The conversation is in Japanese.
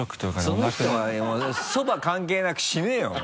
その人はそば関係なく死ぬよ！